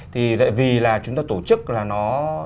thì tại vì là chúng ta tổ chức là nó